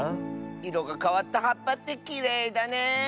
いろがかわったはっぱってきれいだね！